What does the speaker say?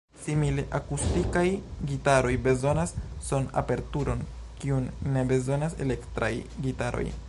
Simile, akustikaj gitaroj bezonas son-aperturon, kiun ne bezonas elektraj gitaroj.